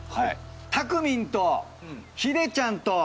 たくみんとヒデちゃんと。